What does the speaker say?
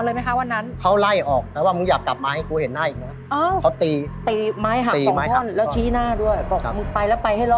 ก็จริงนะในความร้ายก็ยังมีมีดี